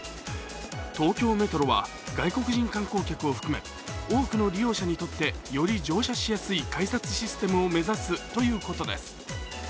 東京メトロは外国人観光客を含め多くの利用者にとってより乗車しやすい改札システムを目指すということです。